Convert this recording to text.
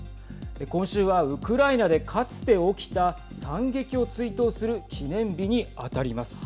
今週はウクライナでかつて起きた惨劇を追悼する記念日に当たります。